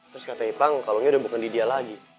terus kata ipang kalongnya udah bukan di dia lagi